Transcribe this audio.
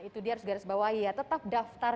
itu dia harus garis bawahi ya tetap daftar